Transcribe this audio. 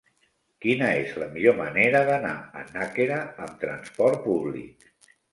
Quina és la millor manera d'anar a Nàquera amb transport públic?